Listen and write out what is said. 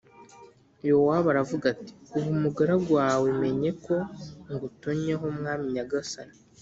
Yowabu aravuga ati “Ubu umugaragu wawe menye ko ngutonnyeho Mwami nyagasani